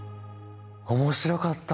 面白かった！